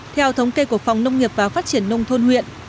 theo thống kê của phòng nông nghiệp và phát triển nông thôn huyện